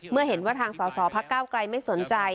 เมื่อเห็นว่าทางสอสอพักเก้าไกลไม่สนใจ